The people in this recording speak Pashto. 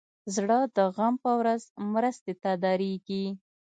زړه د غم په ورځ مرستې ته دریږي.